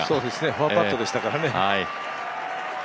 ファーパットでしたからね。